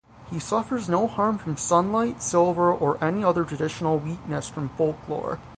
He suffers no harm from sunlight, silver, or any other traditional weakness from folklore.